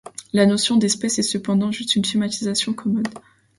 La notion d'espèce est cependant juste une schématisation commode.